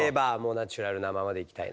ナチュラルなままでいきたい？